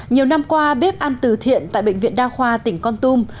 nhiều năm qua bếp ăn từ thiện tại bệnh viện đa khoa tỉnh con tum